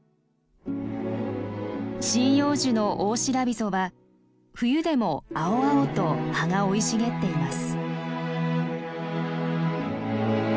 針葉樹のオオシラビソは冬でも青々と葉が生い茂っています。